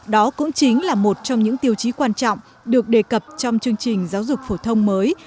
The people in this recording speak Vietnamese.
đó cũng chính là một trong những tiêu chí quan trọng được đề cập trong chương trình giáo dục phổ thông mới